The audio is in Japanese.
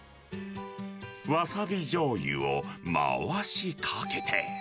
わさびじょうゆをまわしかけて。